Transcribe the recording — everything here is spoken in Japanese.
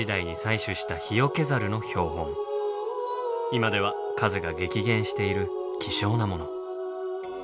今では数が激減している希少なもの。